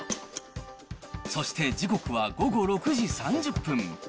そして時刻は午後６時３０分。